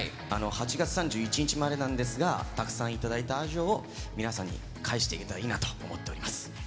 ８月３１日までなんですが、たくさん頂いた愛情を、皆さんに返していけたらいいなと思っております。